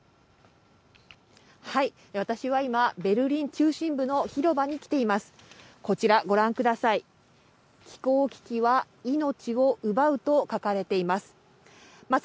私は今ベルリン中心部の広場に来ています。